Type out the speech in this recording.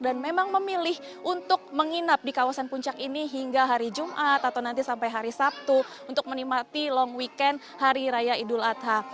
dan memang memilih untuk menginap di kawasan puncak ini hingga hari jumat atau nanti sampai hari sabtu untuk menikmati long weekend hari raya idul adha